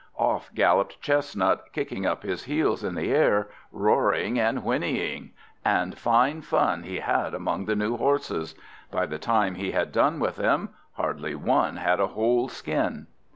Off galloped Chestnut, kicking up his heels in the air, roaring and whinnying; and fine fun he had among the new horses! By the time he had done with them, hardly one had a whole skin.